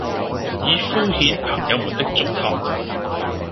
以敷衍朋友們的囑托，